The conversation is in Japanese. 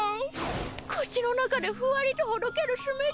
口の中でふわりとほどける酢飯。